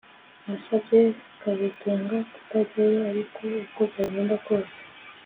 Nasabye kazitunga kutajyayo ariko uko byagenda kose